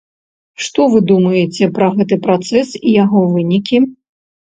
Што вы думаеце пра гэты працэс і яго вынікі?